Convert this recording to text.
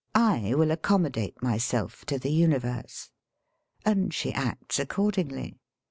I will accommodate myself to the universe," And she acts accordingly.